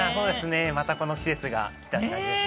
またこの季節が来たって感じですね。